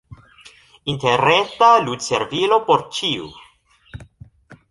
Interreta ludservilo por ĉiu.